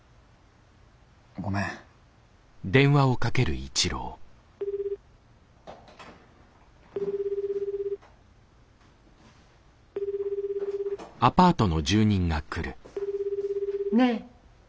ごめん。ねえ。